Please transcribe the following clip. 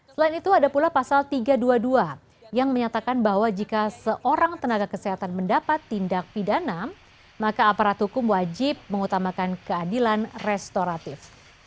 selain itu ada pula pasal tiga ratus dua puluh dua yang menyatakan bahwa jika seorang tenaga kesehatan mendapat tindak pidana maka aparat hukum wajib mengutamakan keadilan restoratif